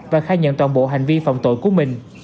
và khai nhận toàn bộ hành vi phạm tội của mình